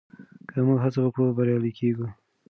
که موږ هڅه وکړو بریالي کېږو.